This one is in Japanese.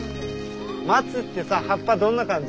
松ってさ葉っぱどんな感じ？